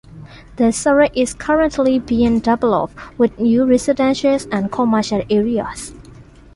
The suburb is currently being developed with new residential and commercial areas.